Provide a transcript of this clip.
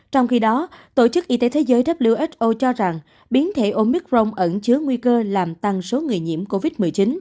trong khi đó tổ chức y tế thế giới who cho rằng biến thể omicron ẩn chứa nguy cơ làm tăng số người nhiễm covid một mươi chín